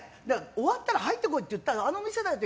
終わったら入ってこいって言ったらあの店だよって。